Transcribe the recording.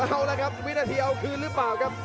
เอาละครับวินาทีเอาคืนหรือเปล่าครับ